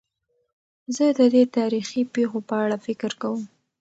زه د دې تاریخي پېښو په اړه فکر کوم.